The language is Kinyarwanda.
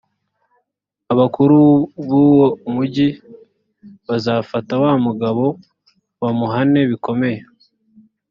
abakuru b’uwo mugi bazafate wa mugabo, bamuhane bikomeye.